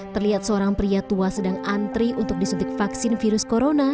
terlihat seorang pria tua sedang antri untuk disuntik vaksin virus corona